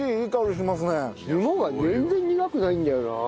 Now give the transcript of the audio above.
肝が全然苦くないんだよな。